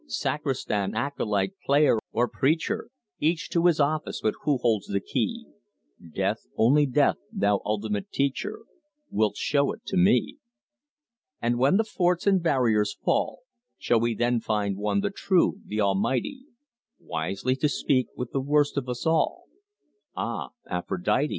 Sacristan, acolyte, player, or preacher, Each to his office, but who holds the key? Death, only Death thou, the ultimate teacher Wilt show it to me. And when the forts and the barriers fall, Shall we then find One the true, the almighty, Wisely to speak with the worst of us all Ah, Aphrodite!